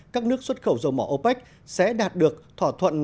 các nước xuất khẩu dầu mỏ opec sẽ đạt được thỏa thuận